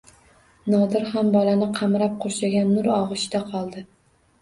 Nodir ham bolani qamrab-qurshagan nur og‘ushida qoldi.